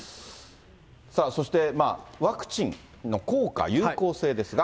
さあそして、ワクチンの効果、有効性ということなんですが。